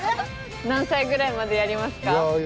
何歳ぐらいまでやりますか？